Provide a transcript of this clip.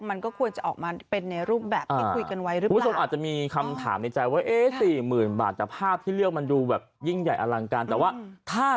มันก็ควรจะออกมาเป็นในรูปแบบที่คุยกันไว้หรือเปล่า